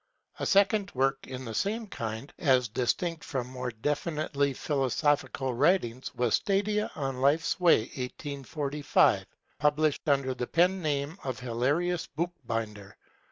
A second work in the same kind, as distinct from more definitively philosophical writings, was Stadia on Life's Way, 1845, publd. under the pen name of Hilarius Buchbinder.